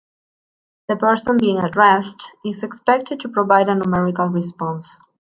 The person being addressed is expected to provide a numerical response.